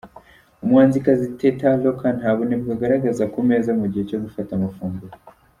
Umuhanzikazi Tete Roca nta bunebwe agaragaza ku meza mu gihe cyo gufata amafunguro.